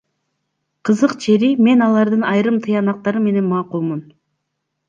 Кызык жери, мен алардын айрым тыянактары менен макулмун.